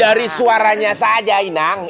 dari suaranya saja inang